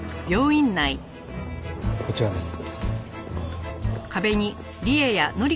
こちらです。